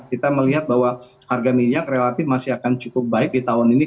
kita melihat bahwa harga minyak relatif masih akan cukup baik di tahun ini